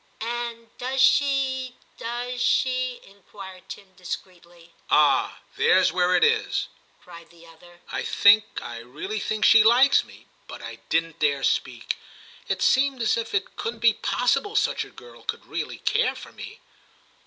* And does she — does she —?' inquired Tim discreetly. 'Ah ! there's where it is,* cried the other ;* I think, I really think she likes me, but I didn't dare speak ; it seemed as if it couldn't be possible such a girl should really care for me.'